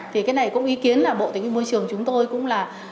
thì cái này cũng ý kiến là bộ tài nguyên môi trường chúng tôi cũng là